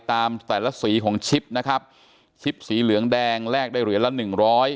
ตามแต่ละสีของชิปนะครับชิปสีเหลืองแดงแลกได้เหลือละ๑๐๐